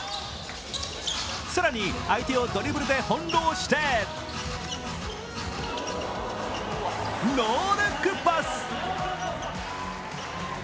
更に相手をドリブルでほん弄してノールックパス。